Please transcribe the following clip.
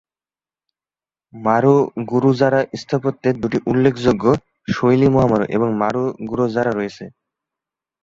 মার্রু-গুরুজারা স্থাপত্যের দুটি উল্লেখযোগ্য শৈলী মহা-মারু এবং মারু-গুরজারা রয়েছে।